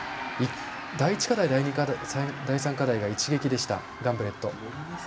第１課題、第３課題が一撃でした、ガンブレット。